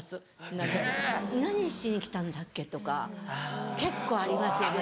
何しに来たんだっけ？とか結構ありますよね。